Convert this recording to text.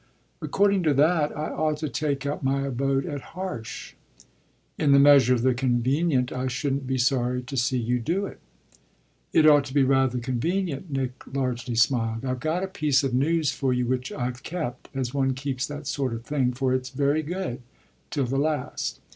"According to that I ought to take up my abode at Harsh." "In the measure of the convenient I shouldn't be sorry to see you do it." "It ought to be rather convenient," Nick largely smiled. "I've got a piece of news for you which I've kept, as one keeps that sort of thing for it's very good till the last."